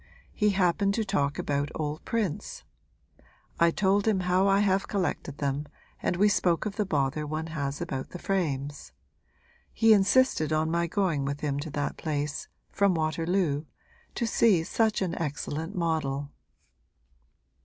He happened to talk about old prints; I told him how I have collected them and we spoke of the bother one has about the frames. He insisted on my going with him to that place from Waterloo to see such an excellent model.'